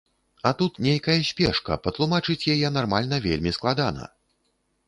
А тут нейкая спешка, патлумачыць яе нармальна вельмі складана.